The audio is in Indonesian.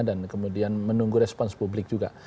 dan kemudian menunggu respons publik juga